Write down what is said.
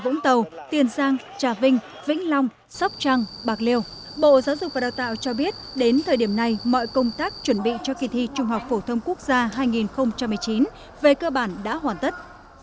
bộ giáo dục và đào tạo cho biết đến thời điểm này mọi công tác chuẩn bị cho kỳ thi trung học phổ thông quốc gia hai nghìn một mươi chín về cơ bản đã hoàn tất